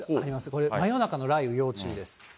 これ、真夜中の雷雨要注意です。